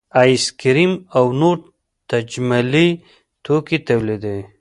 ایس کریم او نور تجملي توکي تولیدوي